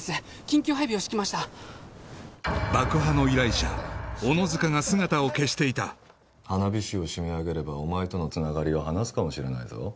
緊急配備を敷きました爆破の依頼者小野塚が姿を消していた花火師を締め上げればお前とのつながりを話すかもしれないぞ